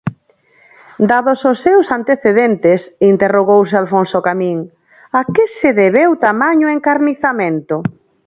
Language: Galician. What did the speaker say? Dados os seus antecedentes, interrogouse Alfonso Camín, a que se debeu tamaño encarnizamento?